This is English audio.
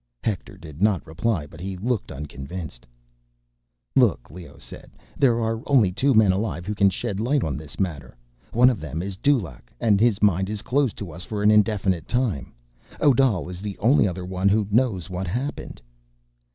Hector did not reply, but he looked unconvinced. "Look," Leoh said, "there are only two men alive who can shed light on this matter. One of them is Dulaq, and his mind is closed to us for an indefinite time. Odal is the only other one who knows what happened."